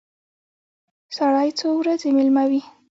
سړی څو ورځې مېلمه وي.